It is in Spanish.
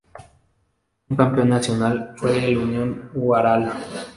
El campeón nacional fue el Unión Huaral.